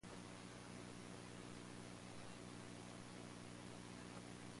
This is referred to as conditioned play audiometry.